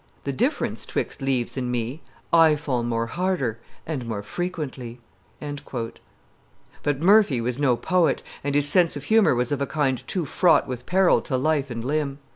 The difference 'twixt leaves and me I fall more harder and more frequently." But Murphy was no poet, and his sense of humor was of a kind too fraught with peril to life and limb.